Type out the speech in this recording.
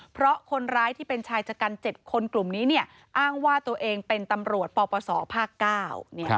เพราะคนร้ายที่เป็นชายชะกัน๗คนกลุ่มนี้เนี่ยอ้างว่าตัวเองเป็นตำรวจปปศภาคเก้า